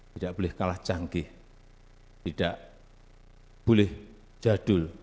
tidak boleh kalah canggih tidak boleh jadul